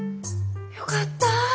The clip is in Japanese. よかった。